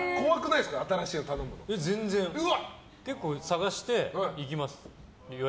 結構探して行きます。